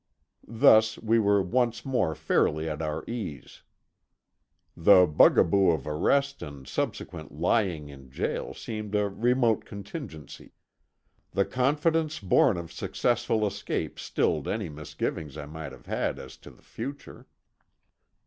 Thus, we were once more fairly at our ease; the bugaboo of arrest and subsequent lying in jail seemed a remote contingency. The confidence born of successful escape stilled any misgivings I might have had as to the future.